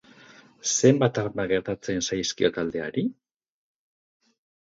Zenbat arma gertatzen zaizkio taldeari?